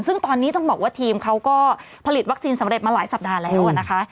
ซึ่งตอนนี้ต้องบอกว่าทีมเขาก็ผลิตวัคซีนสำเร็จมาหลายสัปดาห์แล้วนะคะ